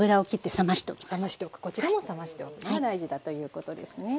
冷ましておくこちらも冷ましておくのが大事だということですね。